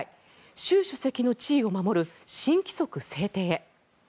習主席の地位を守る新規則制定へ。